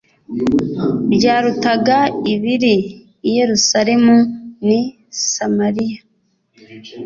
byarutaga ibiri i yerusalemu n i samariya